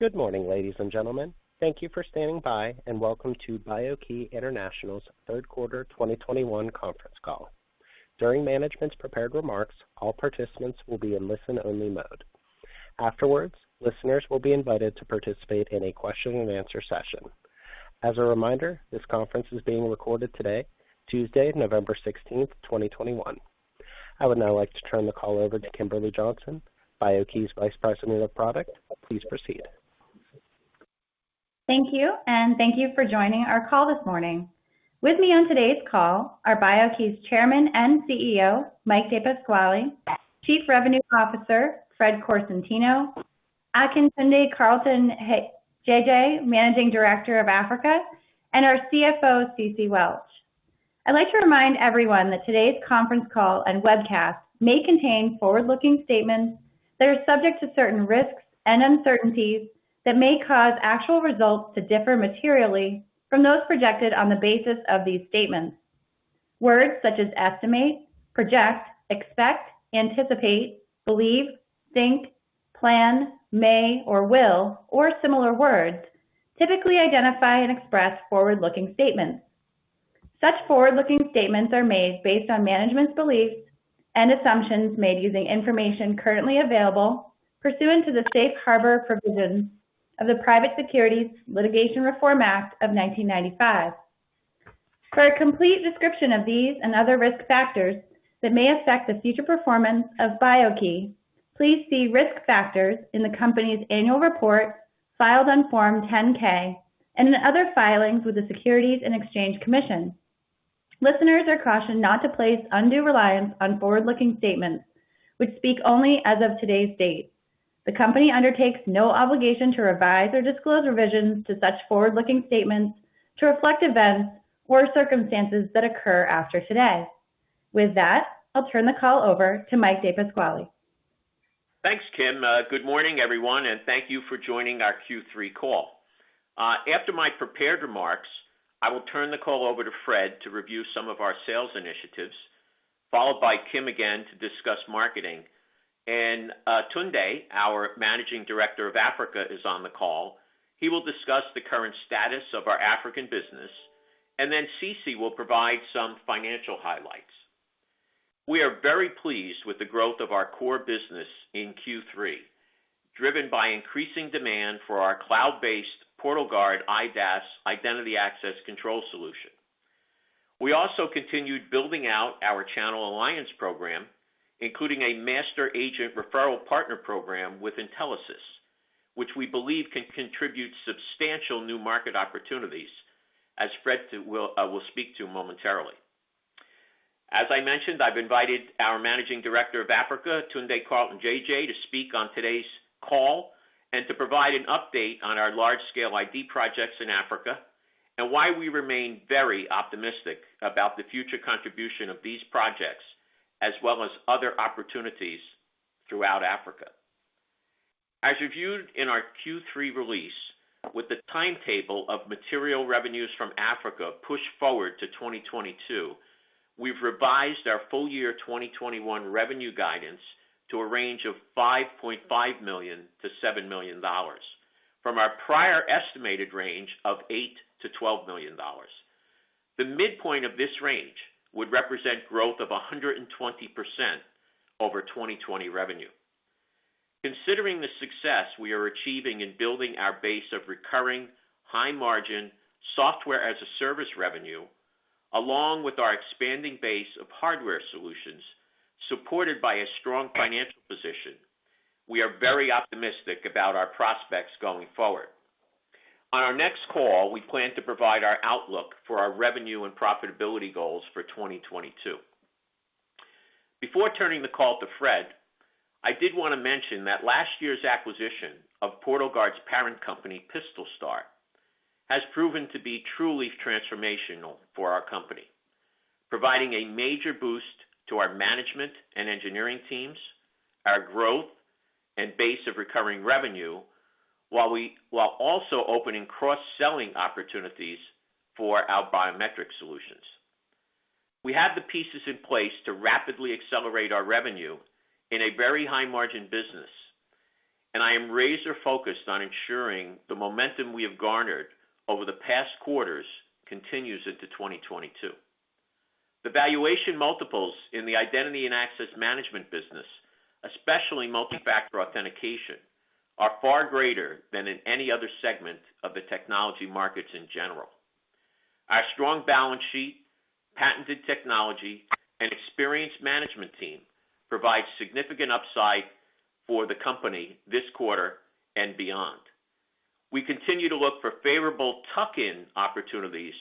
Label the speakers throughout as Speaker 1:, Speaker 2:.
Speaker 1: Good morning, ladies and gentlemen. Thank you for standing by, and welcome to BIO-key International's Q3 2021 conference call. During management's prepared remarks, all participants will be in listen-only mode. Afterwards, listeners will be invited to participate in a question and answer session. As a reminder, this conference is being recorded today, Tuesday, November 16, 2021. I would now like to turn the call over to Kimberly Johnson, BIO-key's Vice President of Product. Please proceed.
Speaker 2: Thank you, and thank you for joining our call this morning. With me on today's call are BIO-key's Chairman and CEO, Mike DePasquale, Chief Revenue Officer, Fred Corsentino, Akintunde Carlton Jeje, Managing Director of Africa, and our CFO, Cece Welch. I'd like to remind everyone that today's conference call and webcast may contain forward-looking statements that are subject to certain risks and uncertainties that may cause actual results to differ materially from those projected on the basis of these statements. Words such as estimate, project, expect, anticipate, believe, think, plan, may or will, or similar words, typically identify and express forward-looking statements. Such forward-looking statements are made based on management's beliefs and assumptions made using information currently available pursuant to the safe harbor provisions of the Private Securities Litigation Reform Act of 1995. For a complete description of these and other risk factors that may affect the future performance of BIO-key, please see risk factors in the company's annual report filed on Form 10-K and in other filings with the Securities and Exchange Commission. Listeners are cautioned not to place undue reliance on forward-looking statements which speak only as of today's date. The company undertakes no obligation to revise or disclose revisions to such forward-looking statements to reflect events or circumstances that occur after today. With that, I'll turn the call over to Mike DePasquale.
Speaker 3: Thanks, Kim. Good morning, everyone, and thank you for joining our Q3 call. After my prepared remarks, I will turn the call over to Fred to review some of our sales initiatives, followed by Kim again to discuss marketing. Tunde, our Managing Director of Africa, is on the call. He will discuss the current status of our African business, and then Cece will provide some financial highlights. We are very pleased with the growth of our core business in Q3, driven by increasing demand for our cloud-based PortalGuard IDaaS Identity Access Control solution. We also continued building out our channel alliance program, including a master agent referral partner program with Intelisys, which we believe can contribute substantial new market opportunities, as Fred will speak to momentarily. As I mentioned, I've invited our Managing Director of Africa, Akintunde Carlton Jeje, to speak on today's call and to provide an update on our large-scale ID projects in Africa and why we remain very optimistic about the future contribution of these projects as well as other opportunities throughout Africa. As reviewed in our Q3 release, with the timetable of material revenues from Africa pushed forward to 2022, we've revised our full year 2021 revenue guidance to a range of $5.5 million-$7 million from our prior estimated range of $8 million-$12 million. The midpoint of this range would represent growth of 120% over 2020 revenue. Considering the success we are achieving in building our base of recurring high-margin software-as-a-service revenue, along with our expanding base of hardware solutions supported by a strong financial position, we are very optimistic about our prospects going forward. On our next call, we plan to provide our outlook for our revenue and profitability goals for 2022. Before turning the call to Fred, I did wanna mention that last year's acquisition of PortalGuard's parent company, PistolStar, has proven to be truly transformational for our company, providing a major boost to our management and engineering teams, our growth and base of recurring revenue, while also opening cross-selling opportunities for our biometric solutions. We have the pieces in place to rapidly accelerate our revenue in a very high-margin business, and I am laser-focused on ensuring the momentum we have garnered over the past quarters continues into 2022. The valuation multiples in the identity and access management business, especially multi-factor authentication, are far greater than in any other segment of the technology markets in general. Our strong balance sheet, patented technology, and experienced management team provide significant upside for the company this quarter and beyond. We continue to look for favorable tuck-in opportunities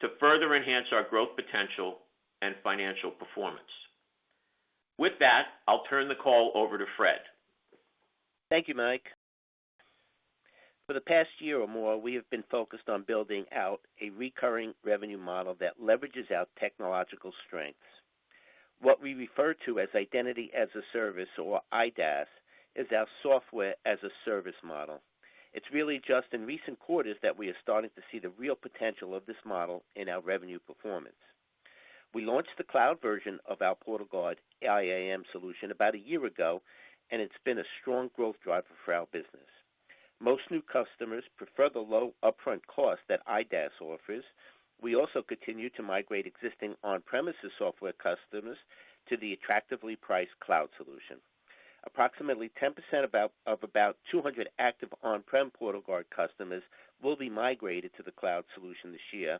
Speaker 3: to further enhance our growth potential and financial performance. With that, I'll turn the call over to Fred.
Speaker 4: Thank you, Mike. For the past year or more, we have been focused on building out a recurring revenue model that leverages our technological strengths. What we refer to as Identity-as-a-Service or IDaaS is our software-as-a-service model. It's really just in recent quarters that we are starting to see the real potential of this model in our revenue performance. We launched the cloud version of our PortalGuard IAM solution about a year ago, and it's been a strong growth driver for our business. Most new customers prefer the low upfront cost that IDaaS offers. We also continue to migrate existing on-premises software customers to the attractively priced cloud solution. Approximately 10% of about 200 active on-prem PortalGuard customers will be migrated to the cloud solution this year,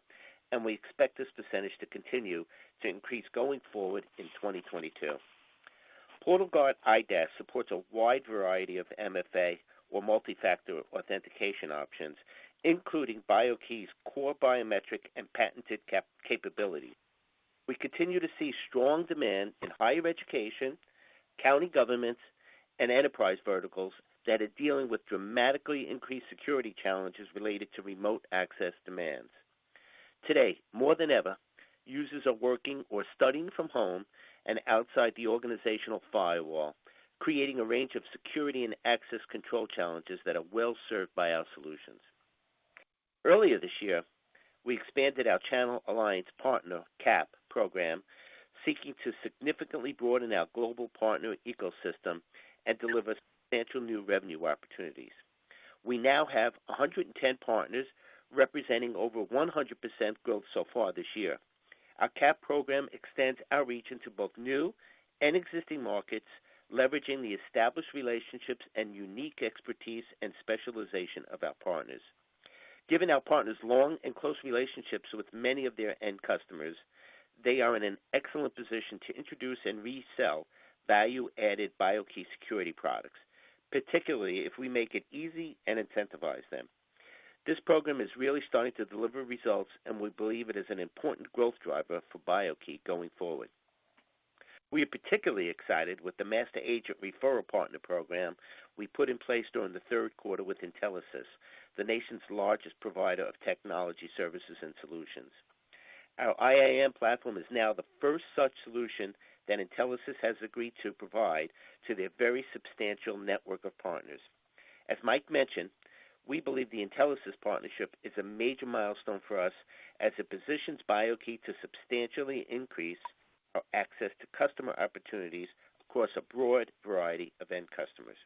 Speaker 4: and we expect this percentage to continue to increase going forward in 2022. PortalGuard IDaaS supports a wide variety of MFA or multi-factor authentication options, including BIO-key's core biometric and patented CAP capabilities. We continue to see strong demand in higher education, county governments, and enterprise verticals that are dealing with dramatically increased security challenges related to remote access demands. Today, more than ever, users are working or studying from home and outside the organizational firewall, creating a range of security and access control challenges that are well served by our solutions. Earlier this year, we expanded our Channel Alliance Partner (CAP), program, seeking to significantly broaden our global partner ecosystem and deliver substantial new revenue opportunities. We now have 110 partners representing over 100% growth so far this year. Our CAP program extends our reach into both new and existing markets, leveraging the established relationships and unique expertise and specialization of our partners. Given our partners' long and close relationships with many of their end customers, they are in an excellent position to introduce and resell value-added BIO-key security products, particularly if we make it easy and incentivize them. This program is really starting to deliver results, and we believe it is an important growth driver for BIO-key going forward. We are particularly excited with the master agent referral partner program we put in place during the third quarter with Intelisys, the nation's largest provider of technology services and solutions. Our IAM platform is now the first such solution that Intelisys has agreed to provide to their very substantial network of partners. As Mike mentioned, we believe the Intelisys partnership is a major milestone for us as it positions BIO-key to substantially increase our access to customer opportunities across a broad variety of end customers.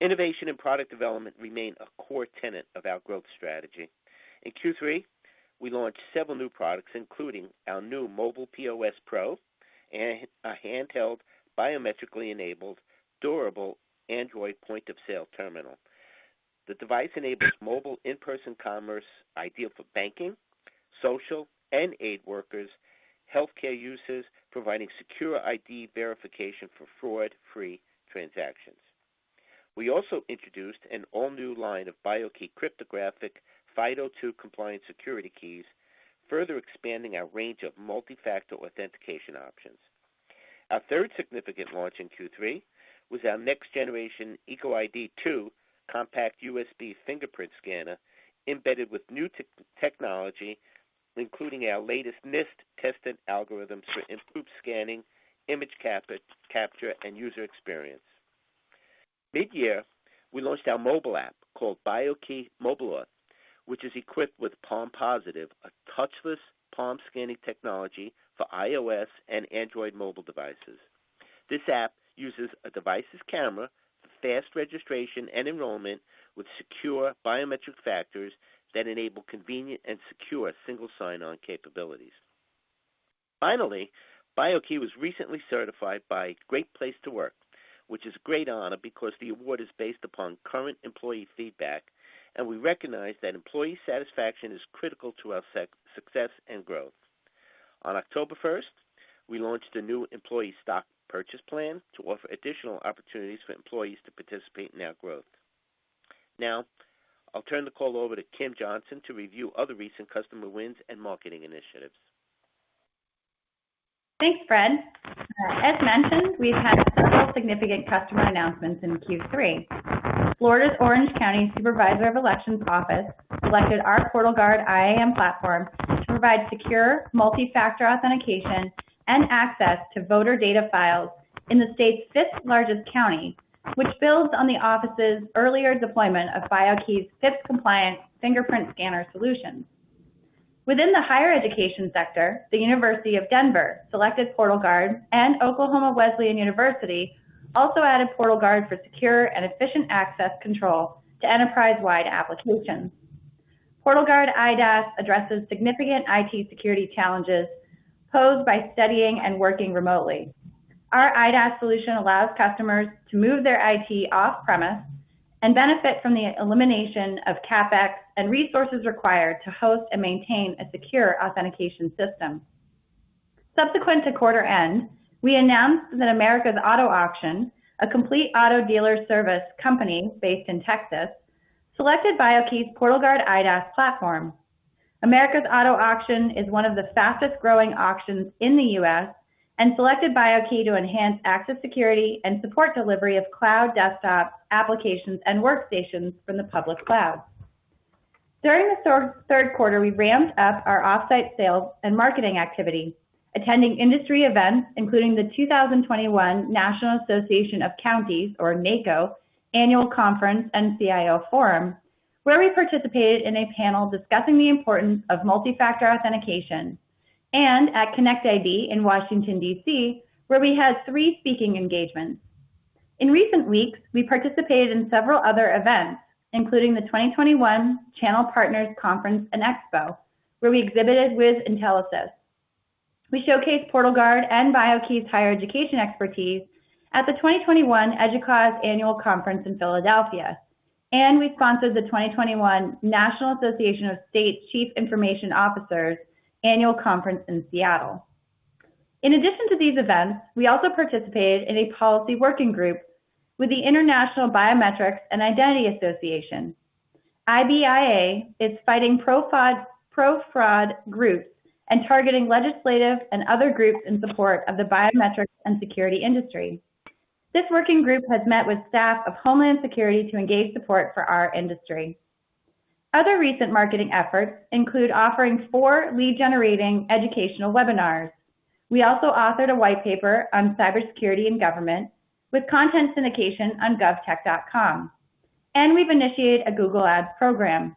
Speaker 4: Innovation and product development remain a core tenet of our growth strategy. In Q3, we launched several new products, including our new MobilePOS Pro, a handheld, biometrically enabled, durable Android point-of-sale terminal. The device enables mobile in-person commerce ideal for banking, social and aid workers, healthcare users providing secure ID verification for fraud-free transactions. We also introduced an all-new line of BIO-key cryptographic FIDO2-compliant security keys, further expanding our range of multi-factor authentication options. Our third significant launch in Q3 was our next generation EcoID II compact USB fingerprint scanner embedded with new technology, including our latest NIST-tested algorithms for improved scanning, image capture, and user experience. Mid-year, we launched our mobile app called BIO-key MobileAuth, which is equipped with PalmPositive, a touchless palm scanning technology for iOS and Android mobile devices. This app uses a device's camera for fast registration and enrollment with secure biometric factors that enable convenient and secure Single Sign-On capabilities. Finally, BIO-key was recently certified by Great Place to Work, which is a great honor because the award is based upon current employee feedback, and we recognize that employee satisfaction is critical to our success and growth. On October first, we launched a new employee stock purchase plan to offer additional opportunities for employees to participate in our growth. Now, I'll turn the call over to Kim Johnson to review other recent customer wins and marketing initiatives.
Speaker 2: Thanks, Fred. As mentioned, we've had several significant customer announcements in Q3. Florida's Orange County Supervisor of Elections Office selected our PortalGuard IAM platform to provide secure multi-factor authentication and access to voter data files in the state's fifth-largest county, which builds on the office's earlier deployment of BIO-key's FIPS-compliant fingerprint scanner solutions. Within the higher education sector, the University of Denver selected PortalGuard, and Oklahoma Wesleyan University also added PortalGuard for secure and efficient access control to enterprise-wide applications. PortalGuard IDaaS addresses significant IT security challenges posed by studying and working remotely. Our IDaaS solution allows customers to move their IT off-premise and benefit from the elimination of CapEx and resources required to host and maintain a secure authentication system. Subsequent to quarter end, we announced that America's Auto Auction, a complete auto dealer service company based in Texas, selected BIO-key's PortalGuard IDaaS platform. America's Auto Auction is one of the fastest-growing auctions in the U.S. and selected BIO-key to enhance access security and support delivery of cloud desktops, applications, and workstations from the public cloud. During the third quarter, we ramped up our off-site sales and marketing activity, attending industry events, including the 2021 National Association of Counties or NACo Annual Conference and CIO Forum where we participated in a panel discussing the importance of multi-factor authentication, and at connect:ID in Washington, D.C., where we had 3 speaking engagements. In recent weeks, we participated in several other events, including the 2021 Channel Partners Conference and Expo, where we exhibited with Intelisys. We showcased PortalGuard and BIO-key's higher education expertise at the 2021 EDUCAUSE Annual Conference in Philadelphia, and we sponsored the 2021 National Association of State Chief Information Officers Annual Conference in Seattle. In addition to these events, we also participated in a policy working group with the International Biometrics and Identity Association. IBIA is fighting pro-fraud groups and targeting legislative and other groups in support of the biometrics and security industry. This working group has met with staff of Homeland Security to engage support for our industry. Other recent marketing efforts include offering four lead-generating educational webinars. We also authored a white paper on cybersecurity and government with content syndication on govtech.com. We've initiated a Google Ads program.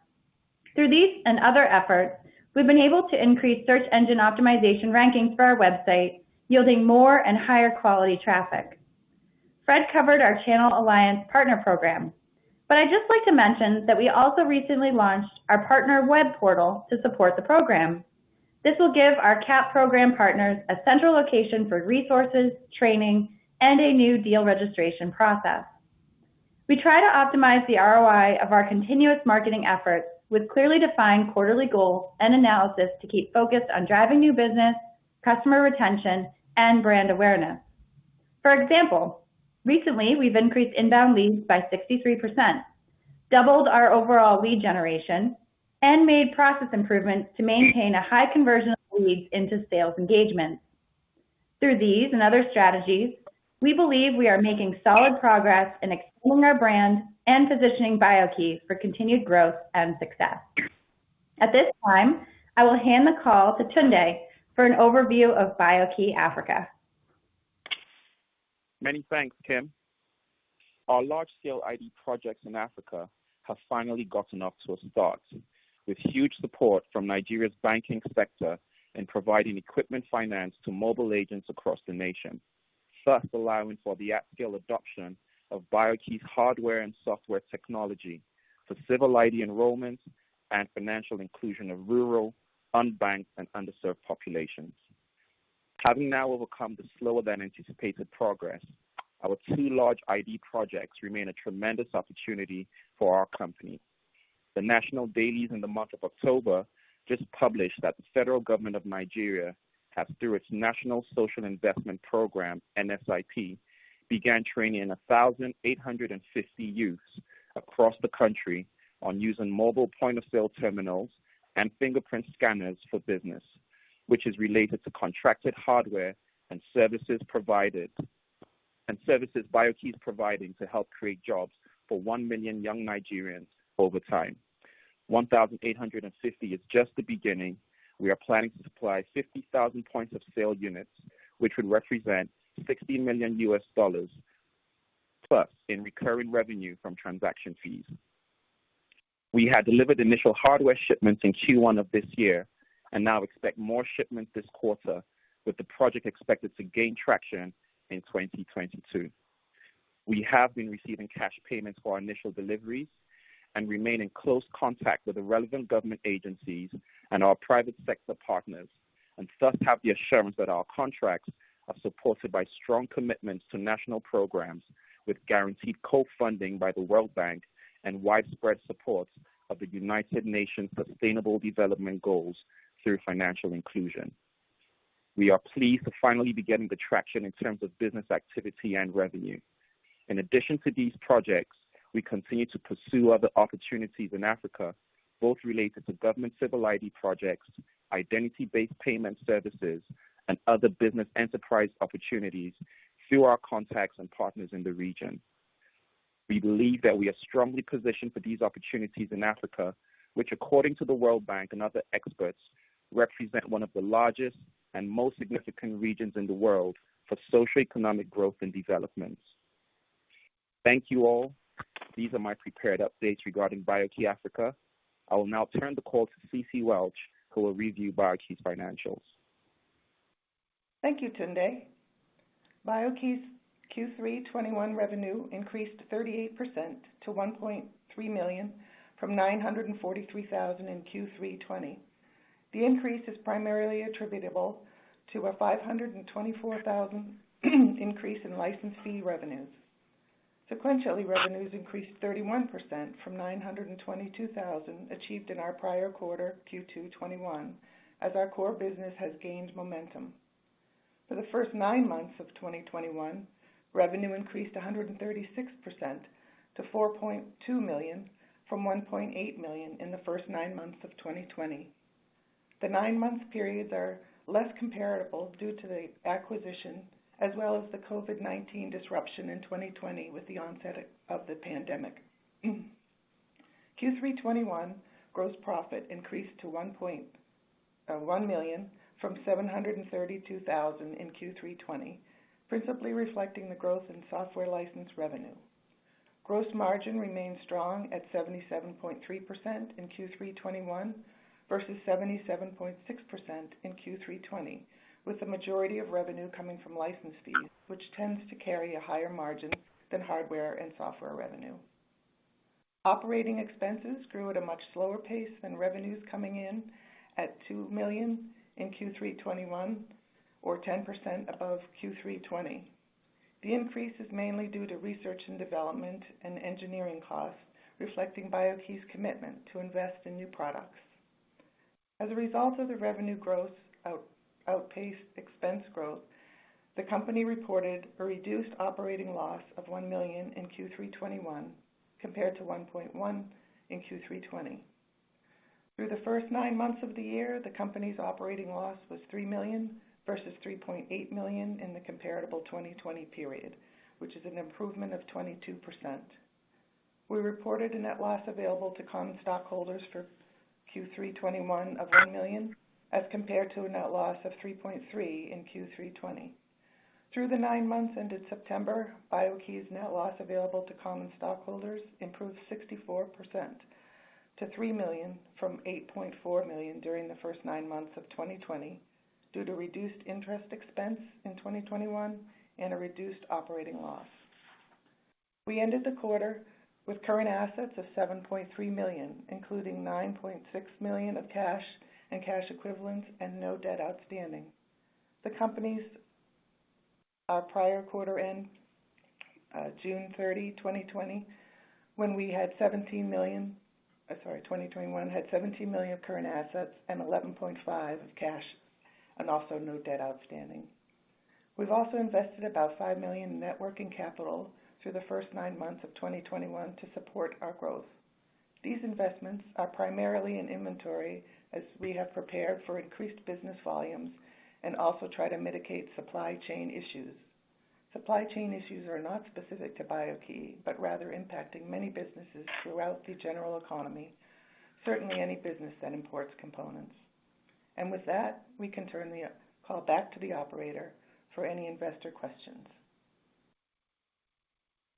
Speaker 2: Through these and other efforts, we've been able to increase search engine optimization rankings for our website, yielding more and higher quality traffic. Fred covered our Channel Alliance Partner program, but I'd just like to mention that we also recently launched our partner web portal to support the program. This will give our CAP program partners a central location for resources, training, and a new deal registration process. We try to optimize the ROI of our continuous marketing efforts with clearly defined quarterly goals and analysis to keep focused on driving new business, customer retention, and brand awareness. For example, recently, we've increased inbound leads by 63%, doubled our overall lead generation, and made process improvements to maintain a high conversion of leads into sales engagements. Through these and other strategies, we believe we are making solid progress in expanding our brand and positioning BIO-key for continued growth and success. At this time, I will hand the call to Tunde for an overview of BIO-key Africa.
Speaker 5: Many thanks, Kim. Our large-scale ID projects in Africa have finally gotten off to a start with huge support from Nigeria's banking sector in providing equipment finance to mobile agents across the nation, thus allowing for the at-scale adoption of BIO-key's hardware and software technology for civil ID enrollments and financial inclusion of rural, unbanked, and underserved populations. Having now overcome the slower than anticipated progress, our two large ID projects remain a tremendous opportunity for our company. The national dailies in the month of October just published that the federal government of Nigeria have through its National Social Investment Programme, NSIP, began training 1,850 youths across the country on using mobile point-of-sale terminals and fingerprint scanners for business, which is related to contracted hardware and services provided and services BIO-key is providing to help create jobs for 1 million young Nigerians over time. 1,850 is just the beginning. We are planning to supply 50,000 points of sale units, which would represent $60 million plus in recurring revenue from transaction fees. We had delivered initial hardware shipments in Q1 of this year and now expect more shipments this quarter, with the project expected to gain traction in 2022. We have been receiving cash payments for our initial deliveries and remain in close contact with the relevant government agencies and our private sector partners, and thus have the assurance that our contracts are supported by strong commitments to national programs with guaranteed co-funding by the World Bank and widespread support of the United Nations Sustainable Development Goals through financial inclusion. We are pleased to finally be getting the traction in terms of business activity and revenue. In addition to these projects, we continue to pursue other opportunities in Africa, both related to government civil ID projects, identity-based payment services, and other business enterprise opportunities through our contacts and partners in the region. We believe that we are strongly positioned for these opportunities in Africa, which according to the World Bank and other experts, represent one of the largest and most significant regions in the world for socioeconomic growth and development. Thank you, all. These are my prepared updates regarding BIO-key Africa. I will now turn the call to Cecilia Welch, who will review BIO-key's financials.
Speaker 6: Thank you, Tunde. BIO-key's Q3 2021 revenue increased 38% to $1.3 million from $943,000 in Q3 2020. The increase is primarily attributable to a $524,000 increase in license fee revenues. Sequentially, revenues increased 31% from $922,000 achieved in our prior quarter, Q2 2021, as our core business has gained momentum. For the first nine months of 2021, revenue increased 136% to $4.2 million from $1.8 million in the first nine months of 2020. The nine-month periods are less comparable due to the acquisition as well as the COVID-19 disruption in 2020 with the onset of the pandemic. Q3 2021 gross profit increased to $1.01 million from $732,000 in Q3 2020, principally reflecting the growth in software license revenue. Gross margin remained strong at 77.3% in Q3 2021 versus 77.6% in Q3 2020, with the majority of revenue coming from license fees, which tends to carry a higher margin than hardware and software revenue. Operating expenses grew at a much slower pace than revenues coming in at $2 million in Q3 2021 or 10% above Q3 2020. The increase is mainly due to research and development and engineering costs, reflecting BIO-key's commitment to invest in new products. As a result of revenue growth outpacing expense growth, the company reported a reduced operating loss of $1 million in Q3 2021 compared to $1.1 million in Q3 2020. Through the first nine months of the year, the company's operating loss was $3 million versus $3.8 million in the comparable 2020 period, which is an improvement of 22%. We reported a net loss available to common stockholders for Q3 2021 of $1 million as compared to a net loss of $3.3 million in Q3 2020. Through the nine months ended September, BIO-key's net loss available to common stockholders improved 64% to $3 million from $8.4 million during the first nine months of 2020 due to reduced interest expense in 2021 and a reduced operating loss. We ended the quarter with current assets of $7.3 million, including $9.6 million of cash and cash equivalents and no debt outstanding. The company's prior quarter end, June 30, 2020, when we had $17 million... I'm sorry, 2021 had $17 million current assets and $11.5 million of cash and also no debt outstanding. We've also invested about $5 million in net working capital through the first nine months of 2021 to support our growth. These investments are primarily in inventory as we have prepared for increased business volumes and also try to mitigate supply chain issues. Supply chain issues are not specific to BIO-key, but rather impacting many businesses throughout the general economy, certainly any business that imports components. With that, we can turn the call back to the operator for any investor questions.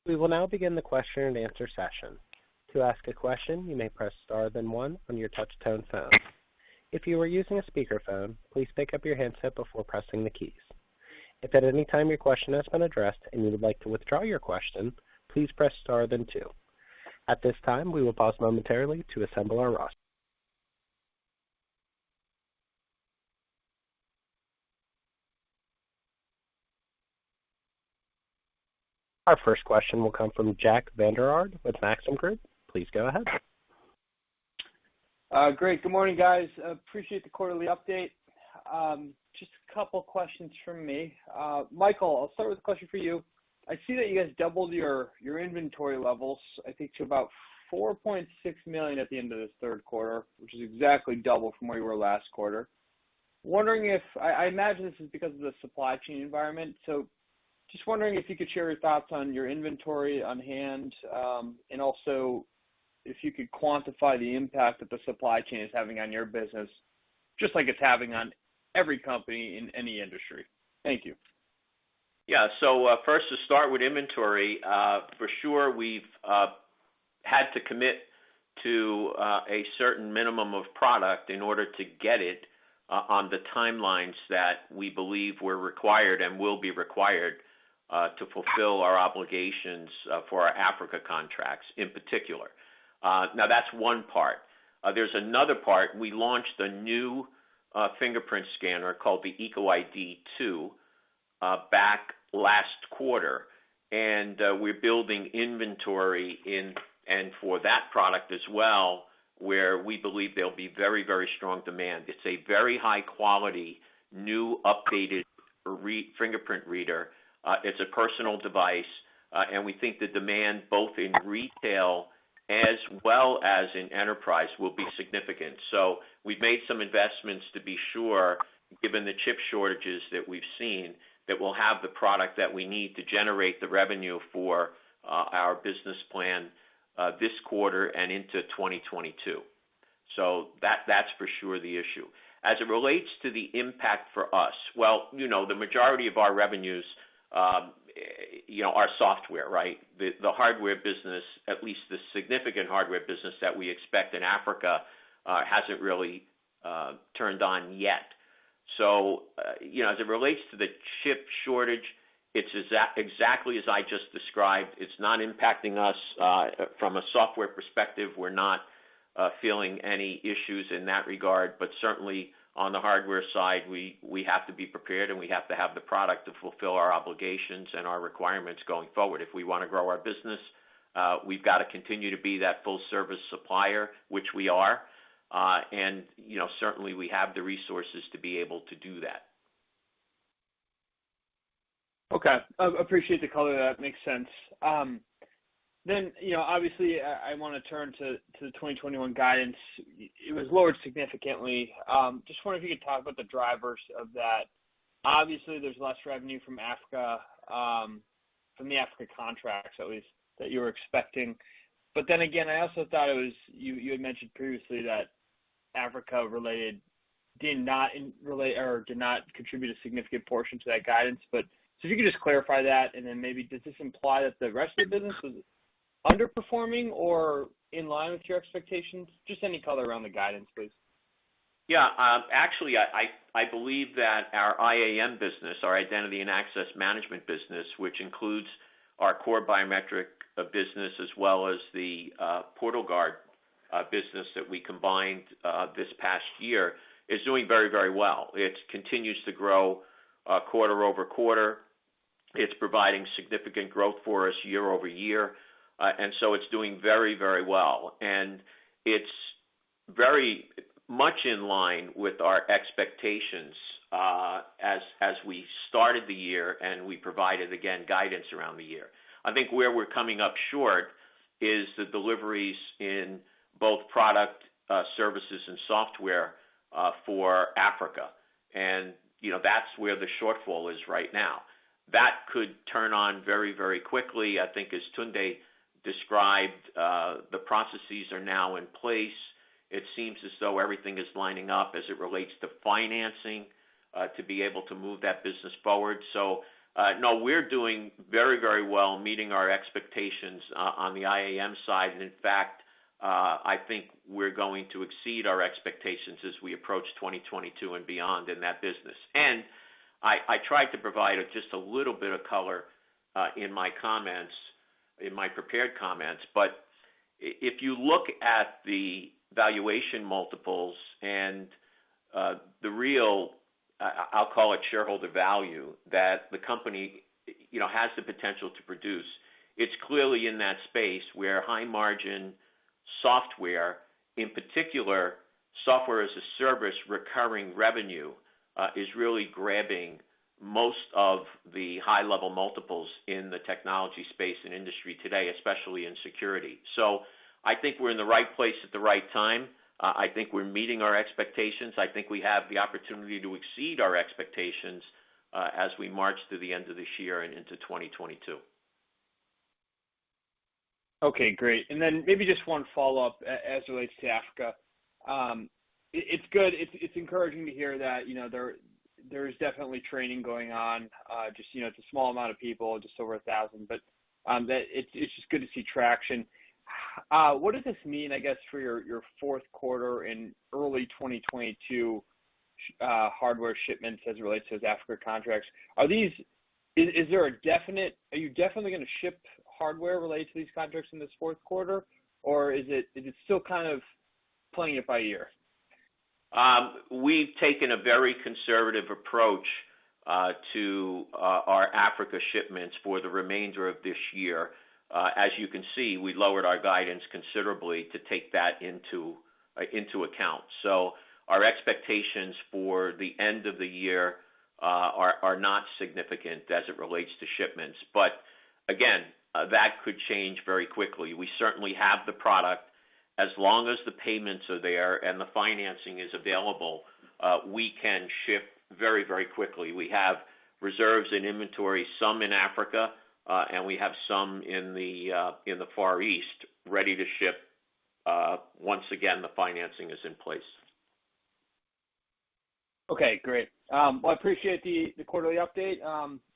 Speaker 1: We will now begin the question-and-answer session. To ask a question, you may press star then one on your touchtone phone. If you are using a speakerphone, please pick up your handset before pressing the keys. If at any time your question has been addressed and you would like to withdraw your question, please press star then two. At this time, we will pause momentarily to assemble our roster. Our first question will come from Jack Vander Aarde with Maxim Group. Please go ahead.
Speaker 7: Great. Good morning, guys. Appreciate the quarterly update. Just a couple of questions from me. Michael, I'll start with a question for you. I see that you guys doubled your inventory levels, I think, to about $4.6 million at the end of the third quarter, which is exactly double from where you were last quarter. Wondering if I imagine this is because of the supply chain environment. Just wondering if you could share your thoughts on your inventory on hand, and also if you could quantify the impact that the supply chain is having on your business, just like it's having on every company in any industry. Thank you.
Speaker 3: Yeah. First to start with inventory, for sure, we've had to commit to a certain minimum of product in order to get it on the timelines that we believe were required and will be required to fulfill our obligations for our Africa contracts in particular. Now that's one part. There's another part. We launched a new fingerprint scanner called the EcoID II back last quarter, and we're building inventory in and for that product as well, where we believe there'll be very, very strong demand. It's a very high quality, new, updated re-fingerprint reader. It's a personal device, and we think the demand both in retail as well as in enterprise will be significant. We've made some investments to be sure, given the chip shortages that we've seen, that we'll have the product that we need to generate the revenue for our business plan this quarter and into 2022. That's for sure the issue. As it relates to the impact for us, well, you know, the majority of our revenues, you know, are software, right? The hardware business, at least the significant hardware business that we expect in Africa, hasn't really turned on yet. As it relates to the chip shortage, it's exactly as I just described. It's not impacting us. From a software perspective, we're not feeling any issues in that regard. Certainly on the hardware side, we have to be prepared, and we have to have the product to fulfill our obligations and our requirements going forward. If we wanna grow our business, we've got to continue to be that full service supplier, which we are. You know, certainly we have the resources to be able to do that.
Speaker 7: Okay. Appreciate the color there. That makes sense. You know, obviously I wanna turn to the 2021 guidance. It was lowered significantly. Just wonder if you could talk about the drivers of that. Obviously, there's less revenue from Africa, from the Africa contracts at least that you were expecting. Again, I also thought it was, as you had mentioned previously, that Africa related did not relate or did not contribute a significant portion to that guidance. If you could just clarify that, and then maybe does this imply that the rest of the business was underperforming or in line with your expectations? Just any color around the guidance, please.
Speaker 3: Yeah. Actually, I believe that our IAM business, our identity and access management business, which includes our core biometric business as well as the PortalGuard business that we combined this past year, is doing very, very well. It continues to grow quarter-over-quarter. It's providing significant growth for us year-over-year. It's doing very, very well. It's very much in line with our expectations, as we started the year, and we provided again guidance around the year. I think where we're coming up short is the deliveries in both product services and software for Africa. You know, that's where the shortfall is right now. That could turn on very, very quickly. I think as Tunde described, the processes are now in place. It seems as though everything is lining up as it relates to financing, to be able to move that business forward. No, we're doing very well meeting our expectations on the IAM side. In fact, I think we're going to exceed our expectations as we approach 2022 and beyond in that business. I tried to provide just a little bit of color in my comments, in my prepared comments. If you look at the valuation multiples and the real, I'll call it shareholder value that the company, you know, has the potential to produce, it's clearly in that space where high-margin software, in particular, software as a service recurring revenue, is really grabbing most of the high-level multiples in the technology space and industry today, especially in security. I think we're in the right place at the right time. I think we're meeting our expectations. I think we have the opportunity to exceed our expectations, as we march through the end of this year and into 2022.
Speaker 7: Okay, great. Then maybe just one follow-up as it relates to Africa. It's good. It's encouraging to hear that, you know, there is definitely training going on. Just, you know, it's a small amount of people, just over 1,000. But it's just good to see traction. What does this mean, I guess, for your fourth quarter and early 2022, hardware shipments as it relates to those Africa contracts? Are you definitely gonna ship hardware related to these contracts in this fourth quarter, or is it still kind of playing it by ear?
Speaker 3: We've taken a very conservative approach to our Africa shipments for the remainder of this year. As you can see, we lowered our guidance considerably to take that into account. Our expectations for the end of the year are not significant as it relates to shipments. Again, that could change very quickly. We certainly have the product. As long as the payments are there and the financing is available, we can ship very quickly. We have reserves and inventory, some in Africa, and we have some in the Far East ready to ship once again, the financing is in place.
Speaker 7: Okay, great. I appreciate the quarterly update,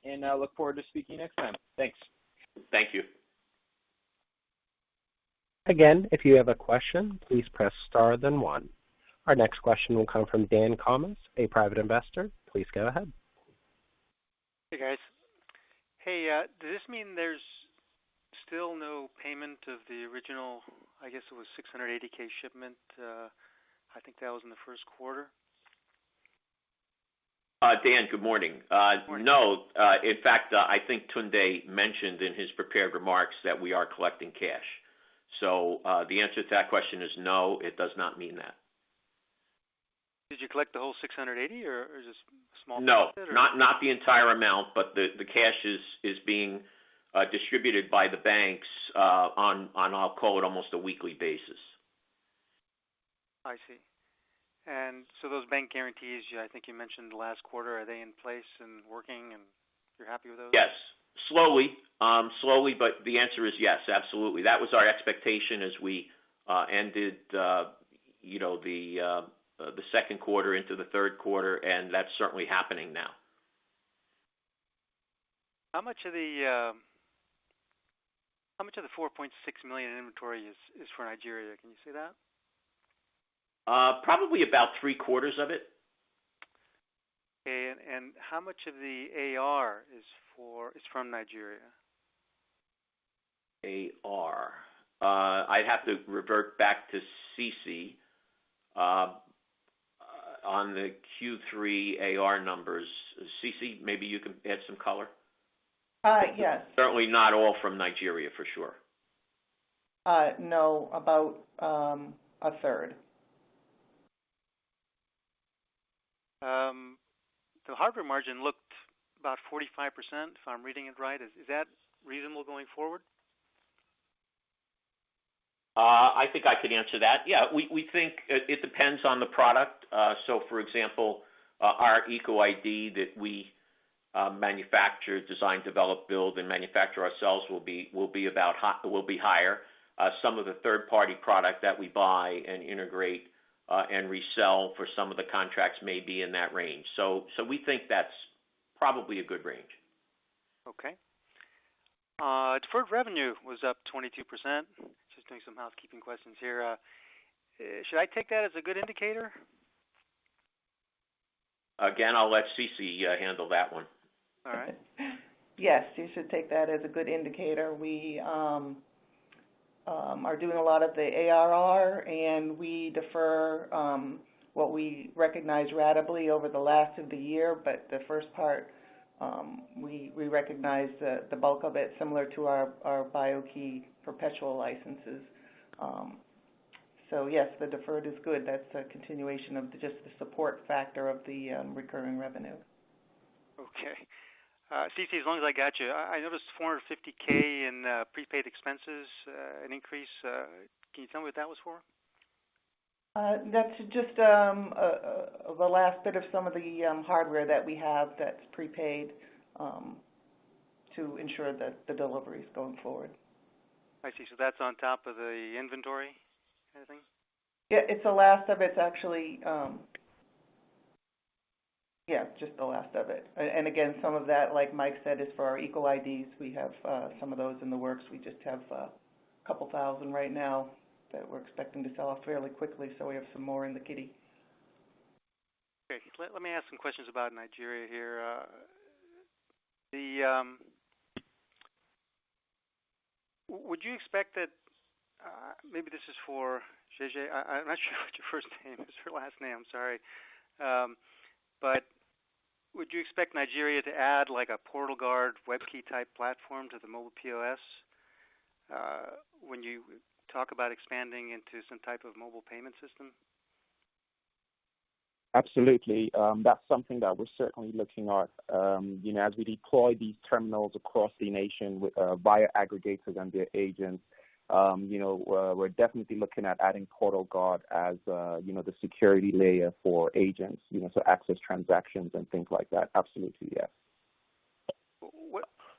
Speaker 7: and I look forward to speaking next time. Thanks.
Speaker 3: Thank you.
Speaker 1: Again, if you have a question, please press star, then one. Our next question will come from Dan Cummins, a private investor. Please go ahead.
Speaker 8: Hey, guys. Hey, does this mean there's still no payment of the original, I guess it was $680,000 shipment, I think that was in the first quarter?
Speaker 3: Dan, good morning.
Speaker 8: Good morning.
Speaker 3: No. In fact, I think Tunde mentioned in his prepared remarks that we are collecting cash. The answer to that question is no, it does not mean that.
Speaker 8: Did you collect the whole 680 or is this small percentage?
Speaker 3: No, not the entire amount, but the cash is being distributed by the banks on, I'll call it, almost a weekly basis.
Speaker 8: I see. Those bank guarantees, I think you mentioned last quarter, are they in place and working and you're happy with those?
Speaker 3: Yes. Slowly, but the answer is yes, absolutely. That was our expectation as we ended, you know, the second quarter into the third quarter, and that's certainly happening now.
Speaker 8: How much of the $4.6 million in inventory is for Nigeria? Can you say that?
Speaker 3: Probably about three-quarters of it.
Speaker 8: Okay. How much of the AR is from Nigeria?
Speaker 3: I'd have to revert back to Cecilia Welch on the Q3 ARR numbers. Cecilia Welch, maybe you can add some color.
Speaker 6: Yes.
Speaker 3: Certainly not all from Nigeria, for sure.
Speaker 6: No, about a third.
Speaker 8: The hardware margin looked about 45%, if I'm reading it right. Is that reasonable going forward?
Speaker 3: I think I could answer that. Yeah. We think it depends on the product. So for example, our EcoID that we manufacture, design, develop, build, and manufacture ourselves will be higher. Some of the third-party product that we buy and integrate and resell for some of the contracts may be in that range. We think that's probably a good range.
Speaker 8: Okay. Deferred revenue was up 22%. Just doing some housekeeping questions here. Should I take that as a good indicator?
Speaker 3: Again, I'll let Cece handle that one.
Speaker 8: All right.
Speaker 6: Yes, you should take that as a good indicator. We are doing a lot of the ARR, and we defer what we recognize ratably over the last of the year. The first part, we recognize the bulk of it similar to our BIO-key perpetual licenses. Yes, the deferred is good. That's a continuation of just the support factor of the recurring revenue.
Speaker 8: Okay. Cece, as long as I got you, I noticed $450K in prepaid expenses, an increase. Can you tell me what that was for?
Speaker 6: That's just the last bit of some of the hardware that we have that's prepaid to ensure the delivery is going forward.
Speaker 8: I see. That's on top of the inventory kind of thing?
Speaker 6: It's the last of it. Actually, just the last of it. Again, some of that, like Mike said, is for our EcoIDs. We have some of those in the works. We just have 2,000 right now that we're expecting to sell off fairly quickly, so we have some more in the kitty.
Speaker 8: Great. Let me ask some questions about Nigeria here. Would you expect that, maybe this is for Akintunde Carlton Jeje. I'm not sure what your first name is or last name. Sorry. Would you expect Nigeria to add, like, a PortalGuard, WEB-key type platform to the mobile POS, when you talk about expanding into some type of mobile payment system?
Speaker 5: Absolutely. That's something that we're certainly looking at. You know, as we deploy these terminals across the nation via aggregators and their agents, you know, we're definitely looking at adding PortalGuard as the security layer for agents, you know, so access transactions and things like that. Absolutely. Yes.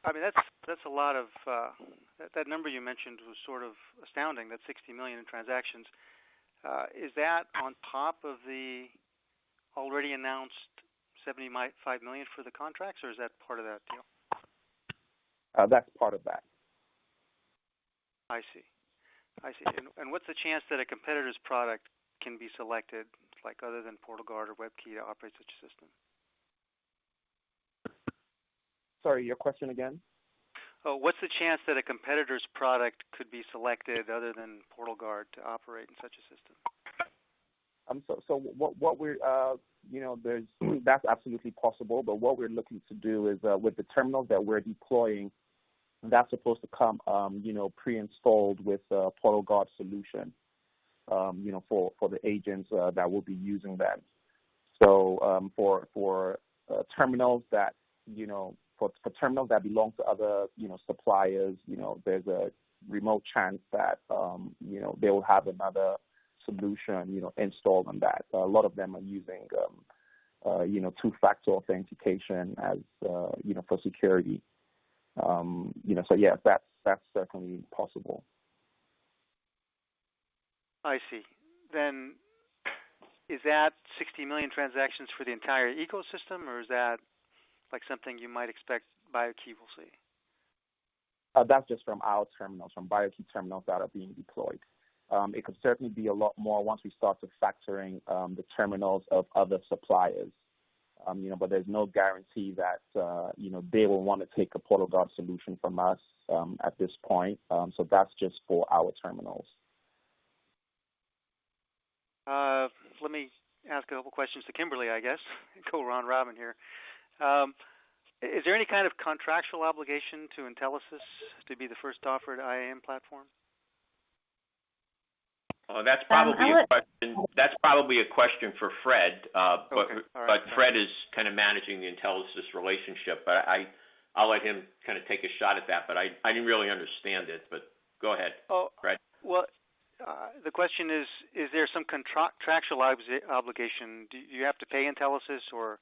Speaker 8: I mean, that's a lot. That number you mentioned was sort of astounding, that $60 million in transactions. Is that on top of the already announced $5 million for the contracts, or is that part of that deal?
Speaker 5: That's part of that.
Speaker 8: I see. What's the chance that a competitor's product can be selected, like, other than PortalGuard or WEB-key to operate such a system?
Speaker 5: Sorry, your question again.
Speaker 8: What's the chance that a competitor's product could be selected other than PortalGuard to operate in such a system?
Speaker 5: That's absolutely possible, but what we're looking to do is with the terminals that we're deploying, that's supposed to come pre-installed with a PortalGuard solution, you know, for the agents that will be using that. For terminals that belong to other suppliers, you know, there's a remote chance that they will have another solution, you know, installed on that. A lot of them are using, you know, two-factor authentication as, you know, for security. You know, yeah, that's certainly possible.
Speaker 8: I see. Is that 60 million transactions for the entire ecosystem, or is that, like, something you might expect BIO-key will see?
Speaker 5: That's just from our terminals, from BIO-key terminals that are being deployed. It could certainly be a lot more once we start factoring the terminals of other suppliers. You know, but there's no guarantee that, you know, they will want to take a PortalGuard solution from us at this point. That's just for our terminals.
Speaker 8: Let me ask a couple questions to Kimberly, I guess. Go round robin here. Is there any kind of contractual obligation to Intelisys to be the first offered IAM platform?
Speaker 3: Oh, that's probably a question.
Speaker 6: I don't know it.
Speaker 3: That's probably a question for Fred.
Speaker 8: Okay. All right.
Speaker 3: Fred is kind of managing the Intelisys relationship. I'll let him kind of take a shot at that, but I didn't really understand it. Go ahead, Fred.
Speaker 8: Well, the question is there some contractual obligation? Do you have to pay Intelisys or,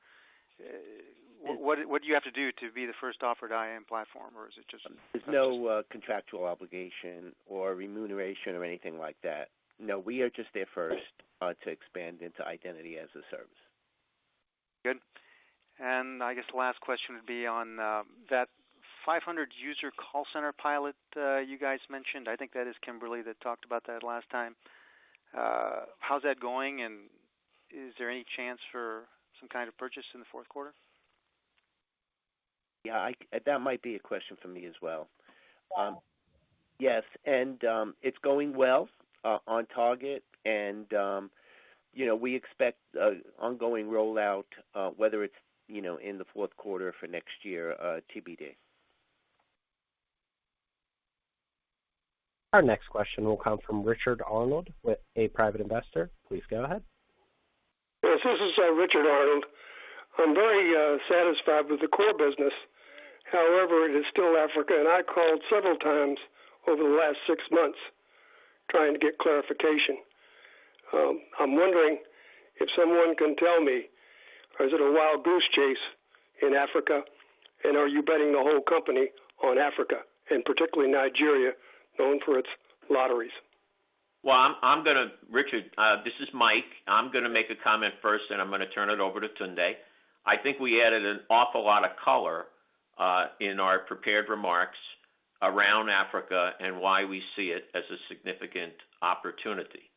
Speaker 8: what do you have to do to be the first offered IAM platform, or is it just-
Speaker 4: There's no contractual obligation or remuneration or anything like that. No, we are just there first to expand into identity as a service.
Speaker 8: Good. I guess the last question would be on that 500 user call center pilot you guys mentioned. I think that is Kimberly that talked about that last time. How's that going, and is there any chance for some kind of purchase in the fourth quarter?
Speaker 4: Yeah, that might be a question for me as well. Yes, it's going well, on target, you know, we expect ongoing rollout, whether it's, you know, in the fourth quarter for next year, TBD.
Speaker 1: Our next question will come from Richard Arnold, a Private Investor. Please go ahead.
Speaker 9: Yes, this is Richard Arnold. I'm very satisfied with the core business. However, it is still Africa, and I called several times over the last six months trying to get clarification. I'm wondering if someone can tell me, is it a wild goose chase in Africa? Are you betting the whole company on Africa and particularly Nigeria, known for its lotteries?
Speaker 3: Well, I'm gonna, Richard, this is Mike. I'm gonna make a comment first, and I'm gonna turn it over to Tunde. I think we added an awful lot of color in our prepared remarks around Africa and why we see it as a significant opportunity.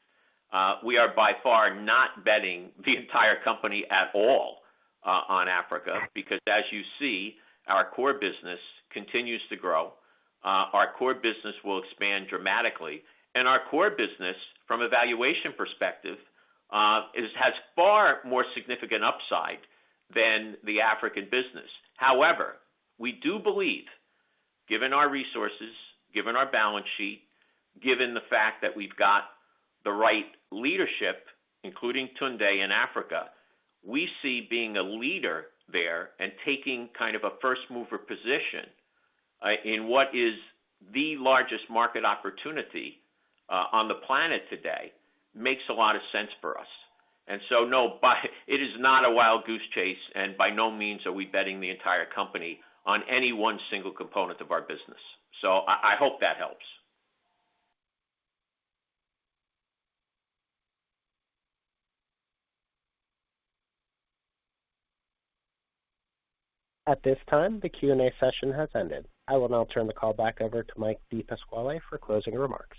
Speaker 3: We are by far not betting the entire company at all on Africa. Because as you see, our core business continues to grow. Our core business will expand dramatically. Our core business from a valuation perspective has far more significant upside than the African business. However, we do believe, given our resources, given our balance sheet, given the fact that we've got the right leadership, including Tunde in Africa, we see being a leader there and taking kind of a first-mover position in what is the largest market opportunity on the planet today, makes a lot of sense for us. It is not a wild goose chase, and by no means are we betting the entire company on any one single component of our business. I hope that helps.
Speaker 1: At this time, the Q&A session has ended. I will now turn the call back over to Michael DePasquale for closing remarks.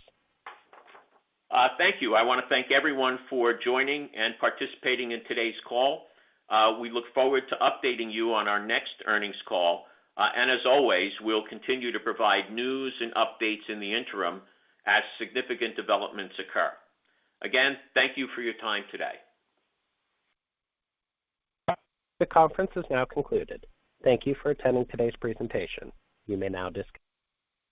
Speaker 3: Thank you. I wanna thank everyone for joining and participating in today's call. We look forward to updating you on our next earnings call. As always, we'll continue to provide news and updates in the interim as significant developments occur. Again, thank you for your time today.
Speaker 1: The conference is now concluded. Thank you for attending today's presentation. You may now disconnect.